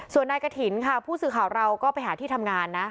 ส่วนนายกฐินค่ะผู้สื่อข่าวเราก็ไปหาที่ทำงานนะ